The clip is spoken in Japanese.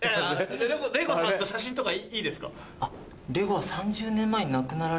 レゴさんと写真とかいいですか？